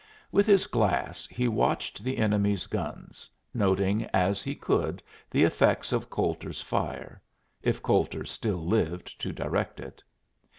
With his glass he watched the enemy's guns, noting as he could the effects of Coulter's fire if Coulter still lived to direct it.